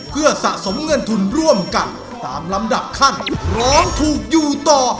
เพื่อสะสมเงินทุนร่วมกันตามลำดับขั้นร้องถูกอยู่ต่อ